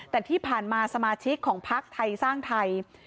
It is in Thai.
แต่ที่ผ่านมาสมาชิกของพักไทยสร้างไทย